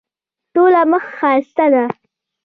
ټوله مخ ښایسته ده.